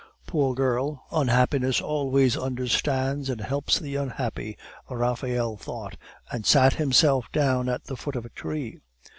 "Poor girl! unhappiness always understands and helps the unhappy," Raphael thought, and sat himself down at the foot of a tree.